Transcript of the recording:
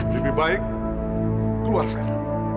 lebih baik keluar sekarang